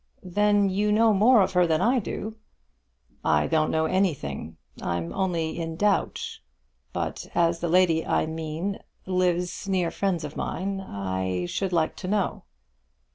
"Then you know more of her than I do." "I don't know anything. I'm only in doubt. But as the lady I mean lives near to friends of mine, I should like to know."